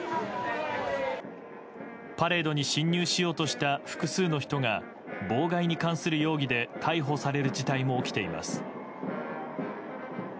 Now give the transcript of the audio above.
パレードに侵入しようとした複数の人が妨害に関する容疑で逮捕される事態も起きています。